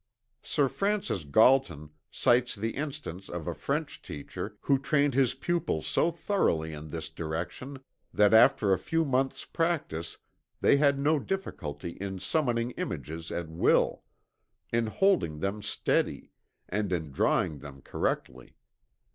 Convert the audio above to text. Sir Francis Galton cites the instance of a French teacher who trained his pupils so thoroughly in this direction that after a few months' practice they had no difficulty in summoning images at will; in holding them steady; and in drawing them correctly.